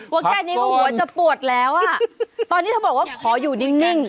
ว่าแค่นี้ก็หัวจะปวดแล้วอ่ะตอนนี้เธอบอกว่าขออยู่นิ่ง